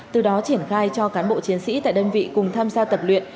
từ đó triển khai cho cán bộ chiến sĩ tại đơn vị cùng tham gia tập luyện